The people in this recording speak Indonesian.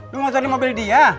lo gausah nih mobil dia